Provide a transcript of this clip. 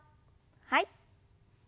はい。